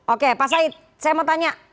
oke pak said saya mau tanya